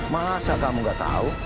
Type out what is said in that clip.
masa kamu tidak tahu